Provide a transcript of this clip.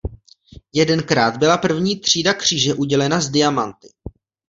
Jedenkrát byla první třída kříže udělena s diamanty.